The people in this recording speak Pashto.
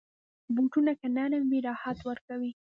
بوټونه که نرم وي، راحت ورکوي.